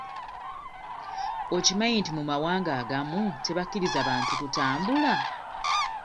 Okimanyi nti mu mawanga agamu tebakkiriza bantu kutambula?